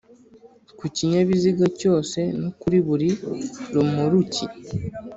Ku kinyabiziga cyose no kuri buri romoruki